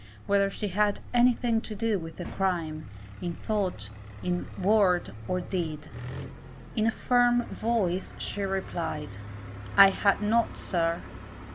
whether she had anything to do with the crime, in thought, word, or deed? In a firm voice she replied, 'I had not, sir.